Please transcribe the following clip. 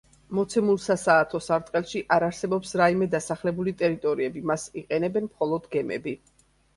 მოცემულ სასაათო სარტყელში არ არსებობს რაიმე დასახლებული ტერიტორიები, მას იყენებენ მხოლოდ გემები.